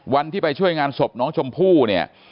วันที่ไปช่วยงานศพน้องชมพู่เนี่ย